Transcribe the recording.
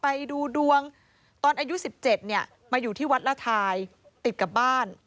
ไปดูดวงตอนอายุ๑๗เนี่ยมาอยู่ที่วัดละทายติดกับบ้าน